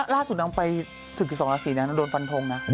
ล่าสุดนังไปถึงกี่สองละสีโดนฟันโทงนะ